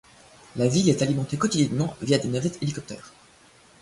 La ville est alimentée quotidiennement via des navettes hélicoptères.